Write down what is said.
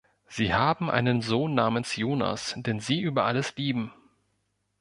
Sie haben einen Sohn namens Jonas, den sie über alles lieben.